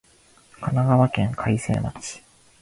神奈川県開成町